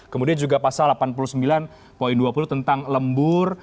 kemudian juga pasal delapan puluh sembilan dua puluh tentang lembur